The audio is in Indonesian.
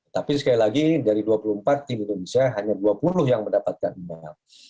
tapi sekali lagi dari dua puluh empat tim indonesia hanya dua puluh yang mendapatkan emas